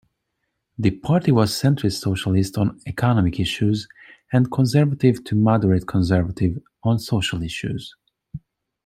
The party was centrist-socialist on economic issues and conservative to moderate-conservative on social issues.